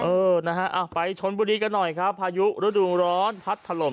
เออนะฮะไปชนบุรีกันหน่อยครับพายุฤดูร้อนพัดถล่ม